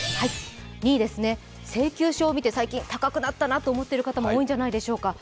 ２位ですね、請求書を見て最近、高くなったなと思ってる方も多いのではないでしょうか。